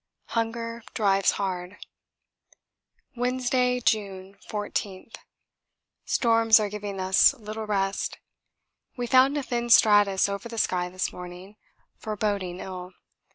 Hunger drives hard. Wednesday, June 14. Storms are giving us little rest. We found a thin stratus over the sky this morning, foreboding ill.